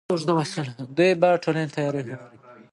دوی به ټولې تیارې هوارې کړې وي.